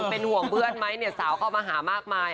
เป็นห่วงเพื่อนไหมเนี่ยสาวเข้ามาหามากมาย